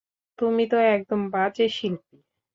তুমি তো একদম বাজে শিল্পী!